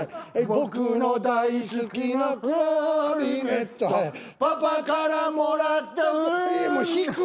「ぼくの大好きなクラリネット」「パパからもらったクラ」引く！